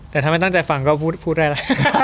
แต่ถ้าไม่ตั้งใจฟังก็พูดได้แล้ว